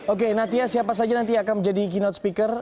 oke natya siapa saja nanti akan menjadi keynote speaker